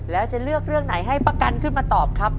แล้วจะเลือกเรื่องไหนให้ประกันขึ้นมาตอบครับ